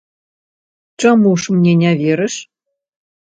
Чаму ж мне не верыш?